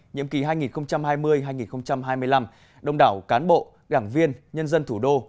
nhiệm kỳ hai nghìn hai mươi hai nghìn hai mươi năm đông đảo cán bộ đảng viên nhân dân thủ đô